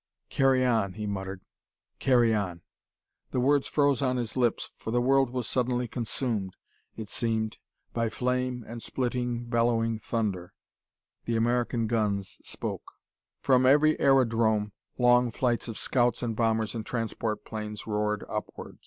"Carry on!" he muttered. "Carry on!" The words froze on his lips, for the world was suddenly consumed, it seemed, by flame and splitting, bellowing thunder. The American guns spoke. From every aerodrome long flights of scouts and bombers and transport planes roared upward.